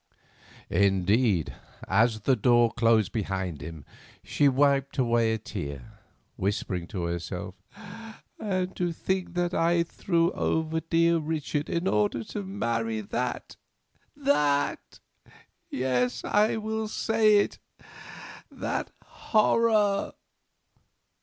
Indeed, as the door closed behind him she wiped away a tear, whispering to herself: "And to think that I threw over dear Richard in order to marry that—that—yes, I will say it—that horror!"